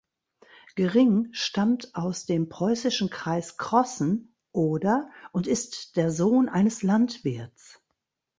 Gering stammt aus dem preußischen Kreis Crossen (Oder) und ist der Sohn eines Landwirts.